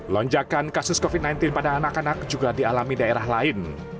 lonjakan kasus covid sembilan belas pada anak anak juga dialami daerah lain